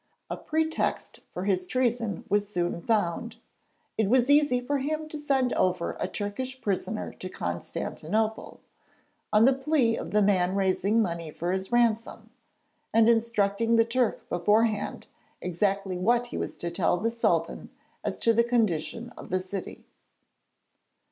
A pretext for his treason was soon found: it was easy for him to send over a Turkish prisoner to Constantinople, on the plea of the man raising money for his ransom, and instructing the Turk beforehand exactly what he was to tell the Sultan as to the condition of the city.